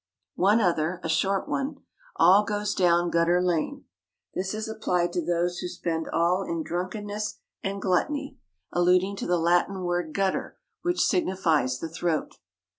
One other, a short one: "All goes down gutter lane." This is applied to those who spend all in drunkenness and gluttony, alluding to the Latin word gutter, which signifies the throat.